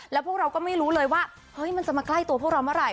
และพวกเราก็ไม่รู้เลยว่ามันจะมาใกล้ตัวพวกเรามาหร่อย